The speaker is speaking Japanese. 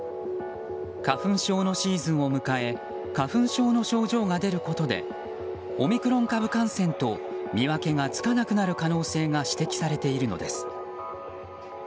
花粉症のシーズンを迎え花粉症の症状が出ることでオミクロン株感染と見分けがつかなくなる可能性が指摘されているのです。